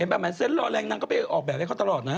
เห็นปะเหมือนเซ็นต์รอแรงนั้นก็ไปออกแบบให้เขาตลอดนะ